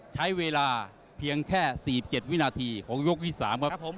ใช้เวลาเพียงแค่๔๗วินาทีของยกที่๓ครับผม